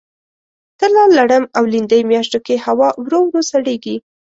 تله ، لړم او لیندۍ میاشتو کې هوا ورو ورو سړیږي.